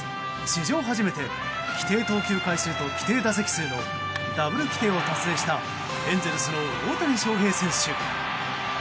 史上初めて規定投球回数と規定打席数のダブル規定を達成したエンゼルスの大谷翔平選手。